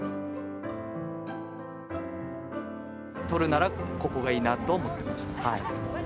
撮るなら、ここがいいなと思ってました。